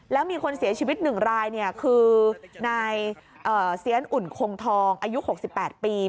แล้วมีคนเสียชีวิตหนึ่งรายเนี่ยคือในเซียนอุ่นคงทองอายุ๖๘ปี